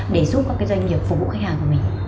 để giúp các doanh nghiệp phục vụ khách hàng của mình